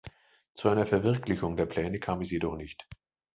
Zu einer Verwirklichung der Pläne kam es jedoch nicht.